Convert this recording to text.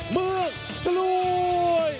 เมืองกล้วย